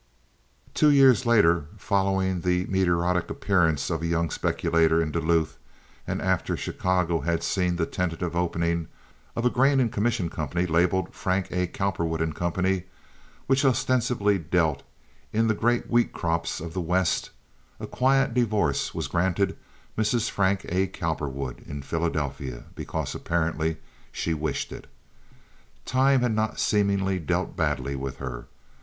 Two years later, following the meteoric appearance of a young speculator in Duluth, and after Chicago had seen the tentative opening of a grain and commission company labeled Frank A. Cowperwood & Co., which ostensibly dealt in the great wheat crops of the West, a quiet divorce was granted Mrs. Frank A. Cowperwood in Philadelphia, because apparently she wished it. Time had not seemingly dealt badly with her.